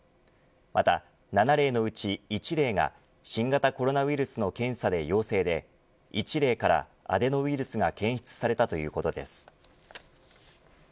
また７例のうち１例が新型コロナウイルスの検査で陽性で１例からアデノウイルスが検出されたということです。